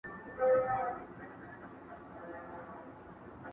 له خپل کوششه نا امیده نه وي،